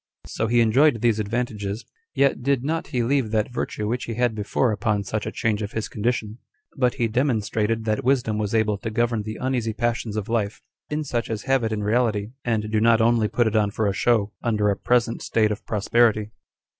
So he enjoyed these advantages, yet did not he leave that virtue which he had before, upon such a change of his condition; but he demonstrated that wisdom was able to govern the uneasy passions of life, in such as have it in reality, and do not only put it on for a show, under a present state of prosperity.